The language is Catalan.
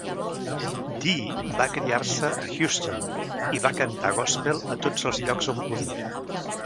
Di va criar-se a Houston i va cantar gòspel a tots els llocs on podia.